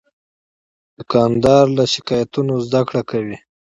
دوکاندار له شکایتونو نه زدهکړه کوي.